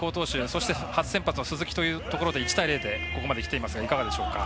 そして初先発の鈴木というところで１対０で、ここまできていますがいかがでしょうか？